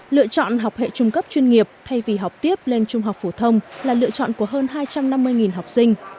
lựa chọn học hệ trung cấp chuyên nghiệp thay vì học tiếp lên trung học phổ thông là lựa chọn của hơn hai trăm năm mươi học sinh